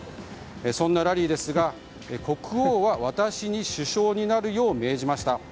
そんなラリーですが国王は私に首相になるよう命じました。